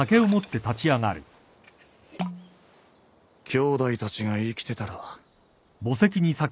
⁉きょうだいたちが生きてたら。